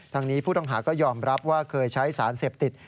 นี้ผู้ต้องหาก็ยอมรับว่าเคยใช้สารเสพติด